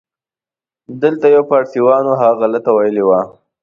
دلته یو پاړسیوان و، هغه غلطه ویلې وه.